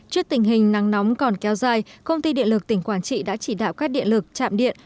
trước tình hình nắng nóng còn kéo dài công ty điện lực tỉnh quảng trị đã chỉ đạo các điện lực trạm điện